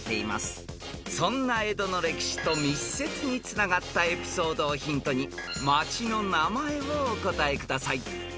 ［そんな江戸の歴史と密接につながったエピソードをヒントに町の名前をお答えください］